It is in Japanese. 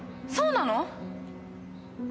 そうなの？